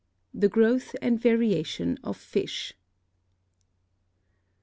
THE GROWTH AND VARIATION OF FISH.